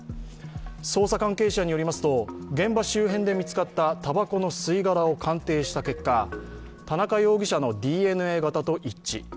捜査関係者によりますと現場周辺で見つかったたばこの吸い殻を鑑定した結果、田中容疑者のＤＮＡ型と一致。